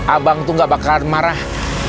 abang tuh gak bakalan marah